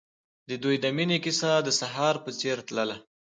د دوی د مینې کیسه د سهار په څېر تلله.